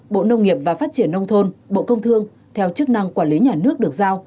bộ nông nghiệp và phát triển nông thôn bộ công thương theo chức năng quản lý nhà nước được giao